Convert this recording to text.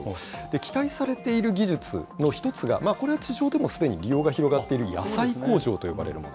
期待されている技術の一つが、これは地上でもすでに利用が広がっている野菜工場と呼ばれるもの。